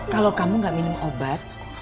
kalau kamu gak minum obat